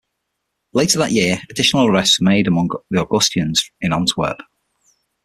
Later that year, additional arrests were made among the Augustinians in Antwerp.